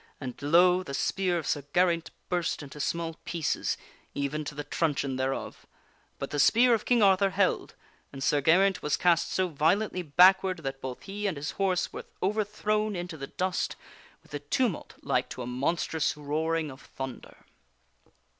And, lo ! the spear of Sir Geraint burst into small pieces, even to the truncheon thereof ; but the spear of King Arthur held, and Sir Geraint was cast so violently backward that bot he and his horse were overthrown into the dust with a tumult like to a monstrous roaring of thunder.